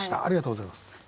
ありがとうございます。